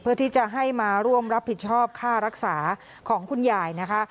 เพื่อที่จะให้มาร่วมรับผิดชอบค่ารักษาของคุณยายนะคะ